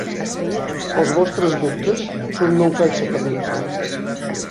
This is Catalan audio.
Els vostres dubtes són una ofensa per a mi.